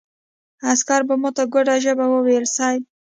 عسکر په ماته ګوډه ژبه وويل: صېب!